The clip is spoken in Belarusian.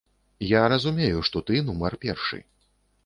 Я разумею, што ты нумар першы.